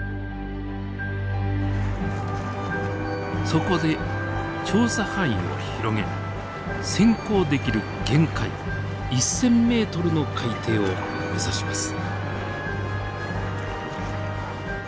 そこで調査範囲を広げ潜航できる限界１，０００ｍの海底を目指します。